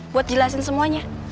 buat jelasin semuanya